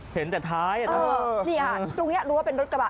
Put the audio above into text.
เห็นแต่ท้ายอ่ะนะนี่ค่ะตรงนี้รู้ว่าเป็นรถกระบะ